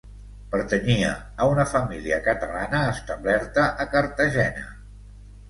Pertanyia a una família catalana establerta a Cartagena.